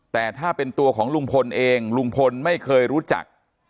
แต่ถ้าเป็นตัวของลุงพลเองลุงพลไม่เคยรู้จัก